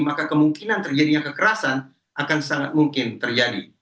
maka kemungkinan terjadinya kekerasan akan sangat mungkin terjadi